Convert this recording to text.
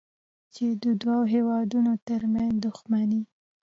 چې د دوو هېوادونو ترمنځ دوښمني